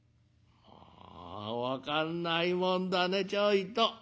「ああ分かんないもんだねちょいと。